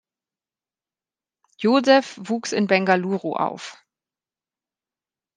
Joseph wuchs in Bengaluru auf.